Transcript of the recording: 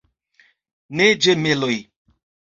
Ne ĝemeloj.